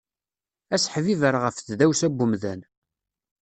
Aseḥbiber ɣef tdawsa n umdan.